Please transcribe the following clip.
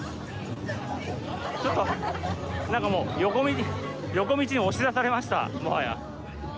ちょっと、なんかもう、横道に押し出されました、もはや。